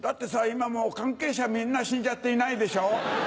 今もう関係者みんな死んじゃっていないでしょ。